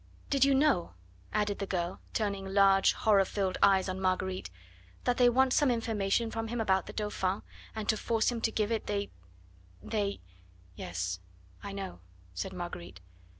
Did you know," added the girl, turning large, horror filled eyes on Marguerite, "that they want some information from him about the Dauphin, and to force him to give it they they " "Yes, I know," said Marguerite.